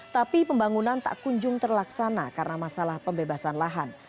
tapi pembangunan tak kunjung terlaksana karena masalah pembebasan lahan